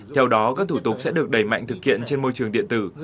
theo đó các thủ tục sẽ được đẩy mạnh thực hiện trên môi trường điện tử